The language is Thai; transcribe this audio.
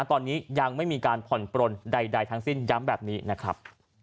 ตอนนี้ยังไม่มีการผ่อนปลนใดทั้งสิ้นย้ำแบบนี้นะครับ